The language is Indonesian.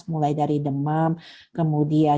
mulai dari demam kemudian